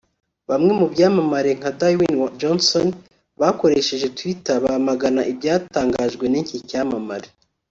Bamwe mu byamamare nka Dwayne Johnson bakoresheje Twitter bamagana ibyatangajwe n’iki cyamamare